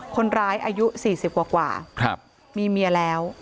อายุ๔๐กว่ามีเมียแล้ว